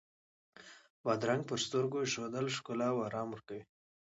بادرنګ پر سترګو ایښودل ښکلا او آرام ورکوي.